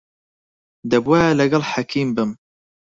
دەبوایە لەگەڵ حەکیم بم.